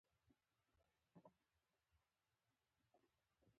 پر دې به يو څه تم شو.